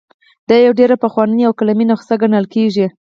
دا یوه ډېره پخوانۍ او قلمي نسخه ګڼل کیږي.